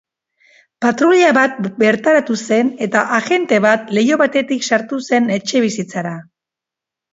Patruila bat bertaratu zen, eta agente bat leiho batetik sartu zen etxebizitzara.